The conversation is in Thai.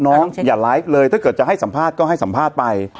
อย่าไลฟ์เลยถ้าเกิดจะให้สัมภาษณ์ก็ให้สัมภาษณ์ไป